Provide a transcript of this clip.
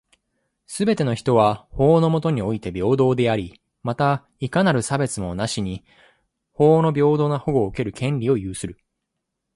すべての人は、法の下において平等であり、また、いかなる差別もなしに法の平等な保護を受ける権利を有する。